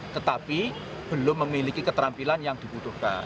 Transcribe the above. tetapi belum memiliki keterampilan yang dibutuhkan